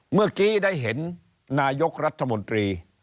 เมื่อกี้ได้เห็นนายกรัฐมนตรี